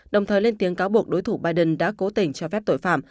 đồng thời lên tiếng cáo buộc đối thủ biden đã cố tình cho phép tội phạm